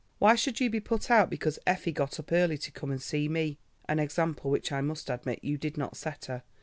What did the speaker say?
Why should you be put out because Effie got up early to come and see me?—an example which I must admit you did not set her.